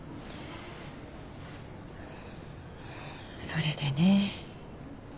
それでね。